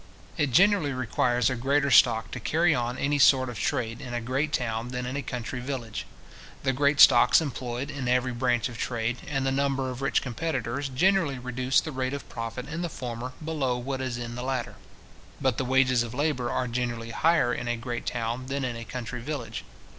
It generally requires a greater stock to carry on any sort of trade in a great town than in a country village. The great stocks employed in every branch of trade, and the number of rich competitors, generally reduce the rate of profit in the former below what it is in the latter. But the wages of labour are generally higher in a great town than in a country village.